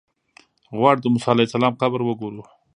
غواړو د موسی علیه السلام قبر وګورو.